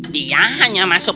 dia hanya masuk